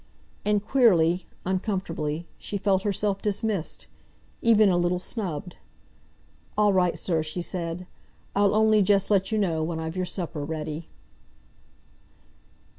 And, queerly, uncomfortably, she felt herself dismissed—even a little snubbed. "All right, sir," she said. "I'll only just let you know when I've your supper ready."